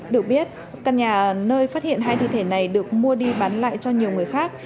được biết căn nhà nơi phát hiện hai thi thể này được mua đi bán lại cho nhiều người khác